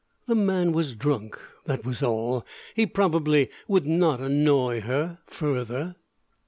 The man was drunk, that was all. He probably would not annoy her further.